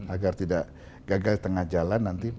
agar tidak gagal di tengah jalan nanti